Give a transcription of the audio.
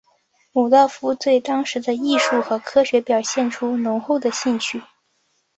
鲁道夫对当时的艺术和科学表现出浓厚的兴趣。